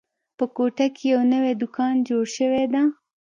په کوټه کې یو نوی دوکان جوړ شوی ده